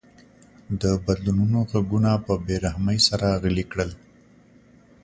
د بدلونونو غږونه په بې رحمۍ سره غلي کړل.